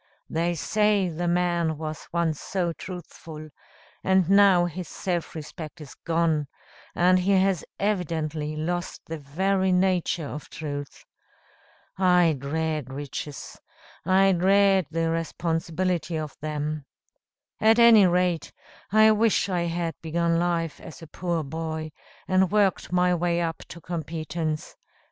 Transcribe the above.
They say the man was once so truthful, and now his self respect is gone; and he has evidently lost the very nature of truth. I dread riches. I dread the responsibility of them. At any rate, I wish I had begun life as a poor boy, and worked my way up to competence.